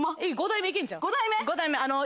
５代目？